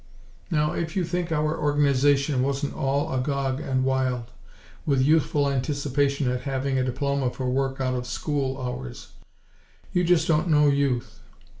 Now, if you think our Organization wasn't all agog and wild, with youthful anticipation at having a diploma for work out of school hours, you just don't know Youth.